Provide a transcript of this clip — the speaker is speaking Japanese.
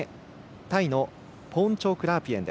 タイのポーンチョーク・ラープイェン。